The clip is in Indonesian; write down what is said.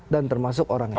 dan termasuk orangnya